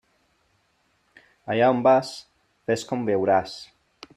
Allà on vas, fes com veuràs.